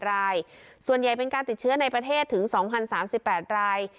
รายส่วนใหญ่เป็นการติดเชื้อในประเทศถึงสองพันสามสิบแปดราย